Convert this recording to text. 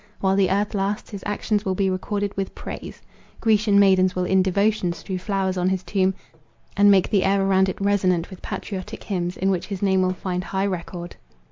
While the earth lasts, his actions will be recorded with praise. Grecian maidens will in devotion strew flowers on his tomb, and make the air around it resonant with patriotic hymns, in which his name will find high record."